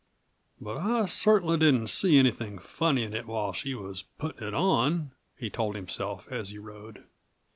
"But I cert'nly didn't see anything funny in it while she was puttin' it on," he told himself, as he rode.